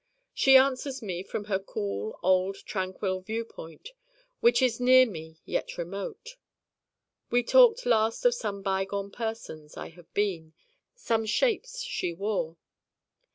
She answers me from her cool old tranquil viewpoint, which is near me yet remote. We talked last of some bygone persons I have been, some shapes she wore.